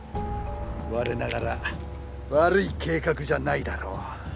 我ながら悪い計画じゃないだろ？